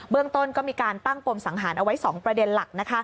เรื่องต้นก็มีการตั้งปมสังหารเอาไว้๒ประเด็นหลัก